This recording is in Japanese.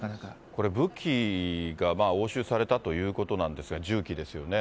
これ、武器が押収されたということなんですが、銃器ですよね。